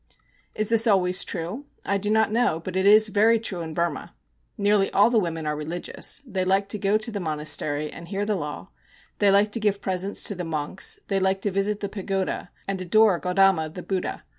Is this always true? I do not know, but it is very true in Burma. Nearly all the women are religious, they like to go to the monastery and hear the law, they like to give presents to the monks, they like to visit the pagoda and adore Gaudama the Buddha.